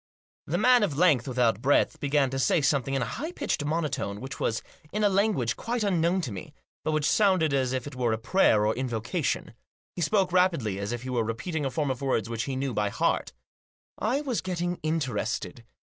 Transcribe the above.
The man of length without breadth began to say something in a high pitched monotone, which was in a language quite unknown to me, but which sounded as if it were a prayer or invocation. He spoke rapidly, as if he were repeating a form of words which he knew by heart I was getting interested.